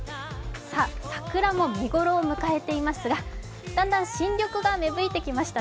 さあ、桜も見ごろを迎えていますがだんだん新緑が芽吹いてきました。